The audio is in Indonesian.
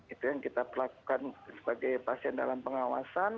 itu yang kita perlakukan sebagai pasien dalam pengawasan